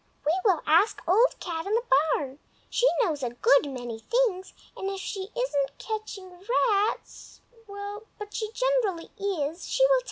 "We will ask Old Cat in the Barn. She knows a good many things, and if she isn't catching rats—but she generally is—she will tell us."